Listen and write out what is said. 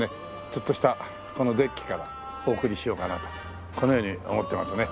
ちょっとしたこのデッキからお送りしようかなとこのように思ってますね。